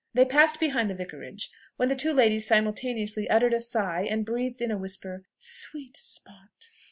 They passed behind the Vicarage; when the two ladies simultaneously uttered a sigh, and breathed in a whisper, "Sweet spot!"